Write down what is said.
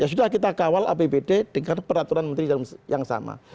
ya sudah kita kawal apbd dengan peraturan menteri yang sama